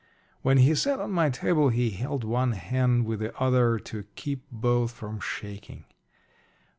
When he sat on my table he held one hand with the other to keep both from shaking.